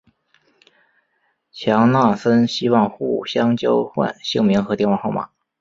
强纳森希望互相交换姓名和电话号码。